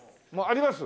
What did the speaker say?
あります？